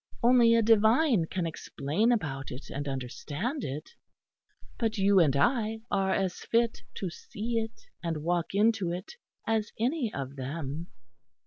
Only a divine can explain about it and understand it, but you and I are as fit to see it and walk into it, as any of them."